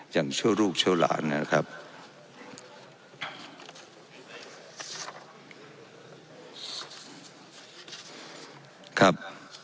อย่างเช่าลูกเช่าหลานนะครับ